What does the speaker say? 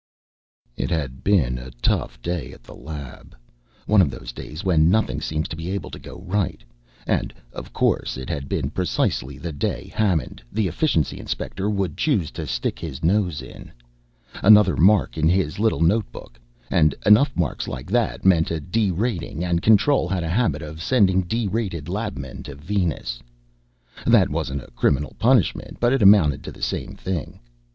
It had been a tough day at the lab, one of those days when nothing seems able to go right. And, of course, it had been precisely the day Hammond, the Efficiency inspector, would choose to stick his nose in. Another mark in his little notebook and enough marks like that meant a derating, and Control had a habit of sending derated labmen to Venus. That wasn't a criminal punishment, but it amounted to the same thing.